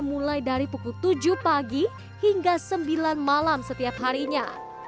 mulai dari pukul tujuh pagi hingga sembilan malam setiap harinya